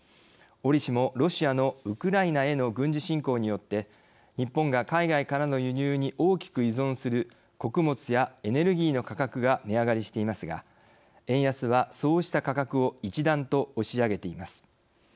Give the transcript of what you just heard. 折しもロシアのウクライナへの軍事侵攻によって日本が海外からの輸入に大きく依存する穀物やエネルギーの価格が値上がりしていますが円安はそうした価格を一段と押し上げています。